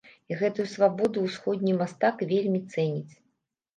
І гэтую свабоду ўсходні мастак вельмі цэніць.